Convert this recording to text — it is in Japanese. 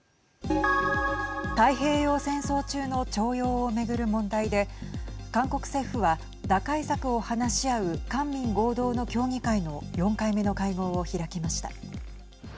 太平洋戦争中の徴用を巡る問題で韓国政府は打開策を話し合う官民合同の協議会の４回目の会合を開きました。